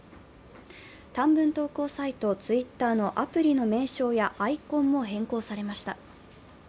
短文投稿サイト・Ｔｗｉｔｔｅｒのアプリの名称やアイコンも変更されました。